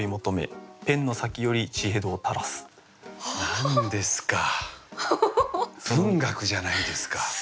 何ですか文学じゃないですか。